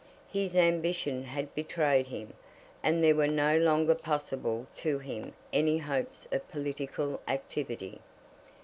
His ambition had betrayed him, and there were no longer possible to him any hopes of political activity.